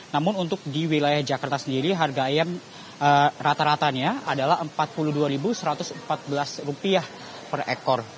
namun untuk di wilayah jakarta sendiri harga ayam rata ratanya adalah rp empat puluh dua satu ratus empat belas per ekor